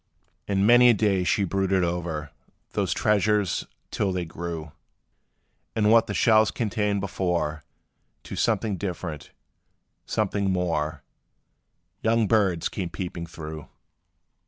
And many a day she brooded o'er Those treasures, till they grew, In what the shells contained before, To something different something more Young birds came peeping through!